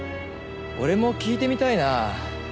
俺も聞いてみたいなぁ